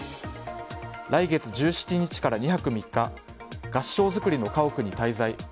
来月１７日から２泊３日合掌造りの家屋に滞在。